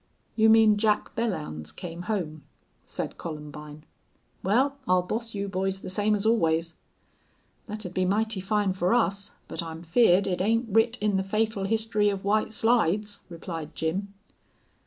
"You mean Jack Belllounds came home," said Columbine. "Well, I'll boss you boys the same as always." "Thet'd be mighty fine for us, but I'm feared it ain't writ in the fatal history of White Slides," replied Jim.